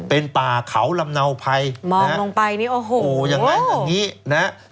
เป็นป่าเขาลำเนาไพรมองลงไปนี่โอ้โหโอ้ยังไงตรงนี้นะครับ